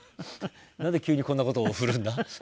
なんで急にこんな事を振るんだ？